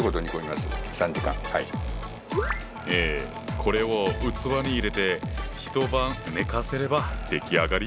これを器に入れて一晩寝かせれば出来上がり。